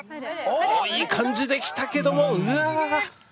おおいい感じで来たけどもうわ。